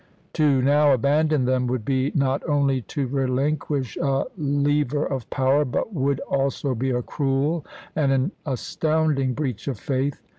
To now abandon them would be not only to relinquish a lever of power, but would also be a cruel and an astounding breach of faith.